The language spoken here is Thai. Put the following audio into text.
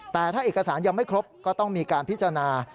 แต่ถ้าเอกสารยังไม่ครบก็ต้องมีการพิจารณา